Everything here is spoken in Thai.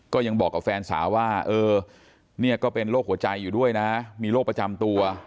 ก็ยังบอกกับแฟนสาวว่าเออเนี่ยก็เป็นโรคหัวใจอยู่ด้วยนะมีโรคประจำตัว